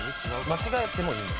間違えてもいい？